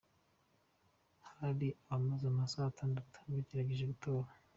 Hari abamaze amasaha atandatu bategereje gutora.